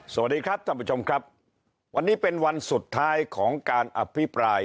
สวัสดีครับท่านผู้ชมครับวันนี้เป็นวันสุดท้ายของการอภิปราย